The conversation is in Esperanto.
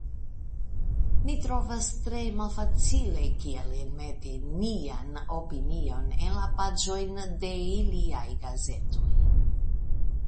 Ni trovas tre malfacile kiel enmeti nian opinion en la paĝojn de iliaj gazetoj"".